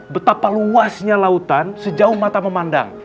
betapa luasnya lautan sejauh mata memandang